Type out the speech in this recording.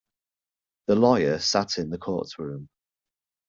The lawyer sat in the courtroom.